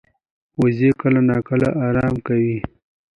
وزې کله ناکله آرام کوي